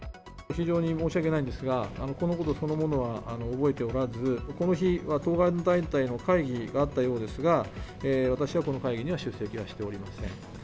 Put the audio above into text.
非常に申し訳ないんですが、このことそのものは覚えておらず、この日は当該団体の会議があったようですが、私はこの会議には出席はしておりません。